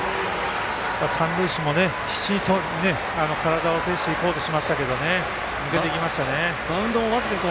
三塁手も必死に体をていしてとりにいこうとしましたけど抜けていきましたね。